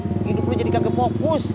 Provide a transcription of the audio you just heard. hidup lo jadi kagak fokus